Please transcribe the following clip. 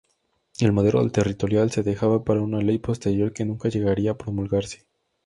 El modelo territorial se dejaba para una ley posterior, que nunca llegaría a promulgarse.